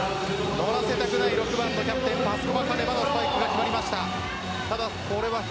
乗らせたくない６番のキャプテンパスコバカネバのスパイクが決まりました。